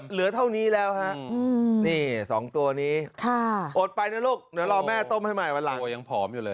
เหลือเท่านี้แล้วฮะนี่๒ตัวนี้โอดไปนะลูกเดี๋ยวรอแม่ต้มให้ใหม่วันหลัง